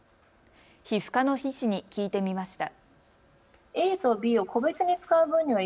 皮膚科の医師に聞いてみました。